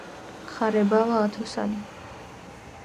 ხარებავა ათოსანი